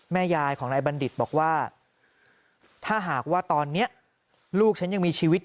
ยายของนายบัณฑิตบอกว่าถ้าหากว่าตอนนี้ลูกฉันยังมีชีวิต